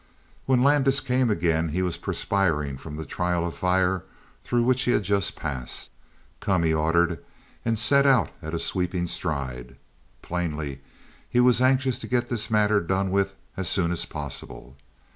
When Landis came again, he was perspiring from the trial of fire through which he had just passed. "Come," he ordered, and set out at a sweeping stride. Plainly he was anxious to get this matter done with as soon as possible.